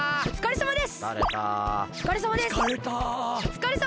おつかれさまです！